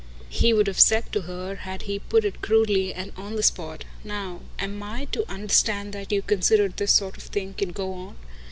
He would have said to her had he put it crudely and on the spot: "NOW am I to understand you that you consider this sort of thing can go on?"